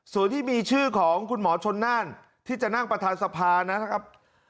ส่วนที่มีชื่อของคุณหมอชนน่านที่จะนั่งประธานสภานะครับ